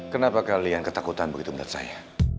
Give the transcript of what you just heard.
kenapa kalian ketakutan begitu menurut saya